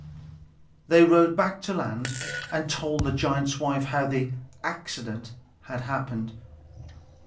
They rowed back to land, and told the giant's wife how the "accident" had happened.